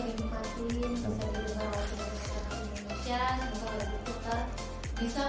aku bakal terus berkembang